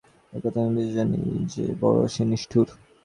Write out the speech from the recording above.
এ কথা আমি বেশ জানি, যে বড়ো সে নিষ্ঠুর।